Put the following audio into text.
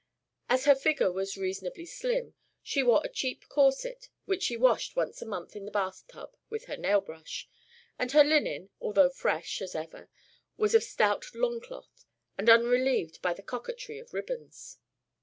As her figure was reasonably slim, she wore a cheap corset which she washed once a month in the bath tub with her nailbrush; and her linen, although fresh, as ever, was of stout longcloth, and unrelieved by the coquetry of ribbons.